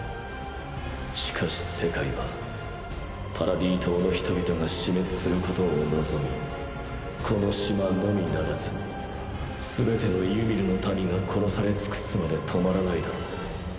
しかし世界はパラディ島の人々が死滅することを望みこの島のみならずすべてのユミルの民が殺され尽くすまで止まらないだろう。